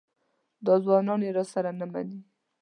دا ځوانان یې راسره نه مني.